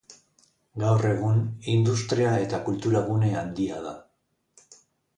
Gaur egun industria eta kultura gune handia da.